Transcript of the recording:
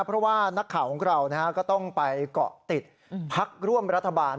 เพราะว่านักข่าวของเราก็ต้องไปเกาะติดพักร่วมรัฐบาล